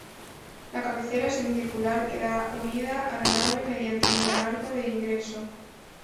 La cabecera, semicircular, queda unida a la nave mediante un gran arco de ingreso.